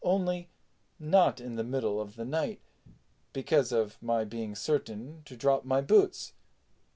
"Only not in the middle of the night, because of my being certain to drop my boots.